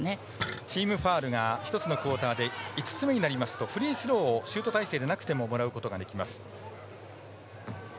チームファウルが１つのクオーターで５つ目になりますとフリースローをシュート体勢でなくてももらうことができます。